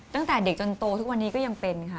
ตั้งแต่เด็กจนโตทุกวันนี้ก็ยังเป็นค่ะ